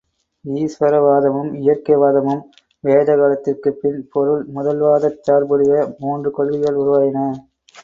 ஈஸ்வர வாதமும் இயற்கை வாதமும் வேத காலத்திற்கு பின் பொருள்முதல்வாதச் சார்புடைய மூன்று கொள்கைகள் உருவாயின.